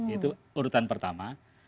itu urutan pertama